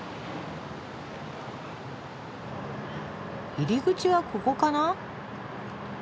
入り口はここかな？